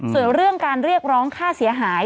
ส่วนเรื่องการเรียกร้องค่าเสียหาย